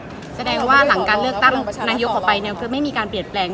แสดงว่าหลังการเลือกตั้งนายกออกไปเนี่ยคือไม่มีการเปลี่ยนแปลง